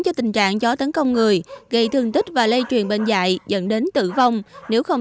cho tình trạng chó tấn công người gây thương tích và lây truyền bệnh dạy dẫn đến tử vong nếu không